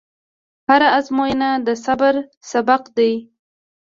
هره ازموینه د صبر سبق دی.